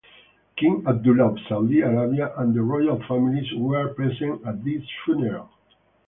King Abdullah of Saudi Arabia and the royal families were present at this funeral.